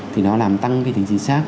thì nó làm tăng cái tính chính xác